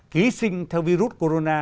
ký sinh theo virus corona